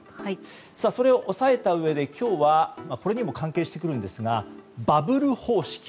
それを抑えたうえで、今日はこれにも関係してくるんですがバブル方式。